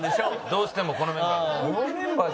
どうしてもこのメンバー。